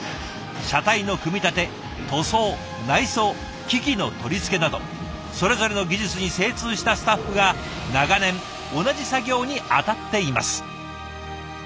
車体の組み立て塗装内装機器の取り付けなどそれぞれの技術に精通したスタッフが長年同じ作業に当たっています。